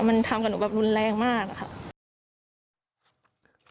มันทำกับหนูแบบรุนแรงมากอะค่ะ